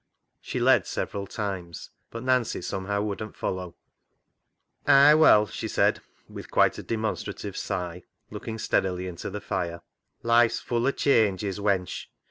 She led several times, but Nancy somehow would not follow. " Ay, well !" she said with quite a demon strative sigh, looking steadily into the fire, " life's full o' changes, wench.